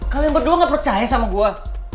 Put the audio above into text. kalian berdua gak percaya sama gue